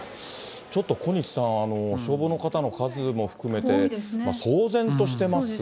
ちょっと小西さん、消防の方の数も含めて騒然としてますが。